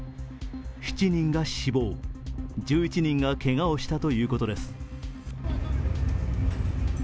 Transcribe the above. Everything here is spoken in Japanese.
７人が死亡、１１人がけがをしたということです。